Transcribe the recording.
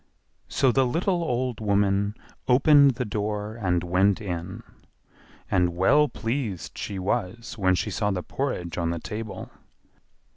So the little old woman opened the door and went in; and well pleased she was when she saw the porridge on the table.